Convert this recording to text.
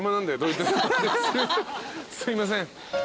すいません。